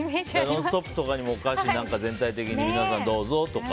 「ノンストップ！」とかにもお菓子を全体的に皆さん、どうぞとか。